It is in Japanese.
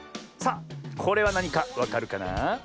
さあこれはなにかわかるかなあ？